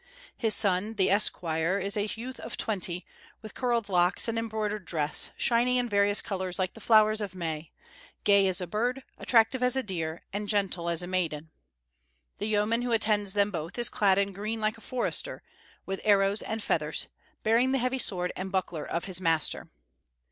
His son, the esquire, is a youth of twenty, with curled locks and embroidered dress, shining in various colors like the flowers of May, gay as a bird, active as a deer, and gentle as a maiden. The yeoman who attends them both is clad in green like a forester, with arrows and feathers, bearing the heavy sword and buckler of his master.